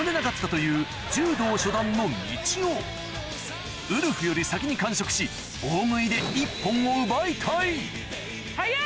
あまりウルフより先に完食し大食いで一本を奪いたい早っ！